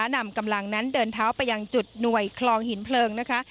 นำกำลังนั้นเดินเท้าไปยังจุดหน่วยคลองหินเพลิงนะคะ